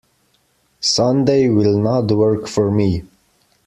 Sunday will not work for me.